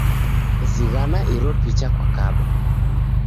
Zighana iro picha kwakaba